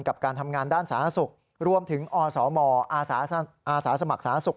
กับการทำงานด้านสาธารณสุขรวมถึงอสมอาสาสมัครสาธารณสุข